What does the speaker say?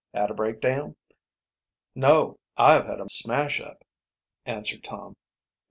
"Had a breakdown?" "No, I've had a smash up," answered Tom.